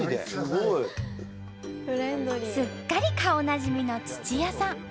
すっかり顔なじみの土谷さん。